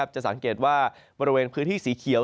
จะสังเกตว่าบริเวณพื้นที่สีเขียว